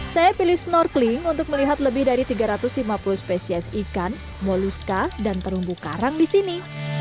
saya pilih snorkeling untuk melihat lebih dari tiga ratus lima puluh spesies ikan moluska dan terumbu karang di sini